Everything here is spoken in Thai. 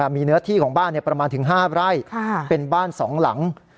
มีเนื้อที่ของบ้านเนี่ยประมาณถึงห้าไร่ค่ะเป็นบ้านสองหลัง